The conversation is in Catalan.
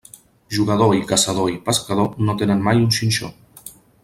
Jugador i caçador i pescador no tenen mai un xinxó.